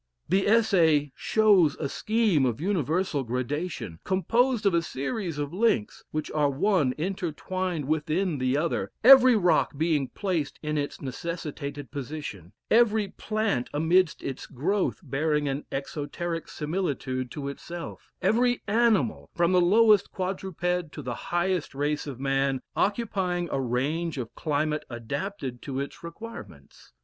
The Essay shows a scheme of universal gradation, composed of a series of links, which are one entwined within the other every rock being placed in its necessitated position every plant amidst its growth bearing an exoteric similitude to itself every animal, from the lowest quadruped to the highest race of man, occupying a range of climate adapted to its requirements.